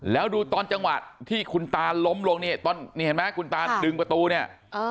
แล้วดูตอนจังหวะที่คุณตาล้มลงนี่ตอนนี้เห็นไหมคุณตาดึงประตูเนี่ย